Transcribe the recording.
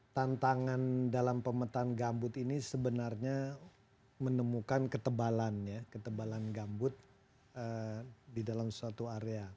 tantangan dalam pemetaan gambut ini sebenarnya menemukan ketebalan ya ketebalan gambut di dalam suatu area